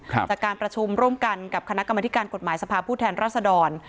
จากการประชุมร่วมกันกับคณะกรรมธิการกฎหมายสภาพผู้แทนรัศดร